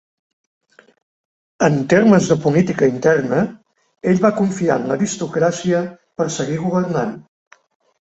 En termes de política interna, ell va confiar en l'aristocràcia per seguir governant.